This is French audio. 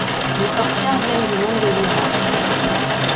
Les sorcières viennent du monde de Lyra.